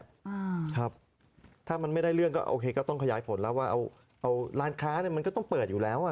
อ่าครับถ้ามันไม่ได้เรื่องก็โอเคก็ต้องขยายผลแล้วว่าเอาเอาร้านค้าเนี้ยมันก็ต้องเปิดอยู่แล้วอ่ะ